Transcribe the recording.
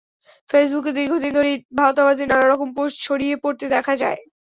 ফেসবুকে দীর্ঘদিন ধরেই ভাঁওতাবাজির নানা রকম পোস্ট ছড়িয়ে পড়তে দেখা যায়।